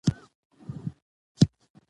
تیاره ډېره شوه.